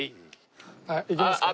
行きますか。